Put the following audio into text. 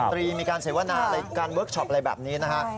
ตรีมีการเสวนาอะไรการเวิร์คชอปอะไรแบบนี้นะฮะ